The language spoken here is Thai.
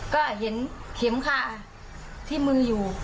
ก็เห็นเข็มคาที่มืออยู่